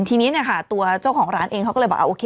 ทีนี้เนี่ยค่ะตัวเจ้าของร้านเองเขาก็เลยบอกโอเค